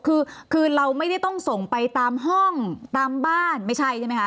คือคือเราไม่ได้ต้องส่งไปตามห้องตามบ้านไม่ใช่ใช่ไหมคะ